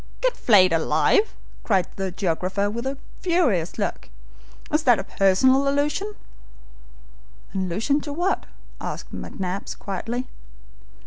"Get flayed alive!" cried the geographer, with a furious look. "Is that a personal allusion?" "An allusion to what?" asked McNabbs, quietly.